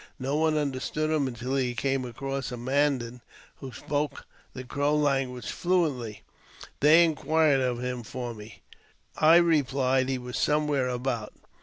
No one understood him until he came across a Mandan who spoke the Crow language fluently. They in quired of him for me. I replied he was somewhere about.